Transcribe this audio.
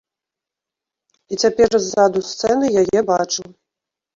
І цяпер ззаду сцэны яе бачыў.